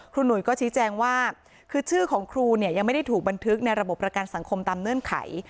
หนุ่ยก็ชี้แจงว่าคือชื่อของครูเนี่ยยังไม่ได้ถูกบันทึกในระบบประกันสังคมตามเงื่อนไข